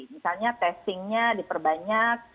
misalnya testingnya diperbanyak